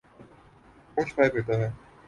منہ چھپائے پھرتاہے۔